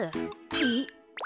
えっ！